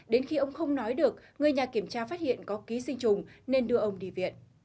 đến khi ông không nói được người nhà kiểm tra phát hiện có ký sinh trùng nên đưa ông đi viện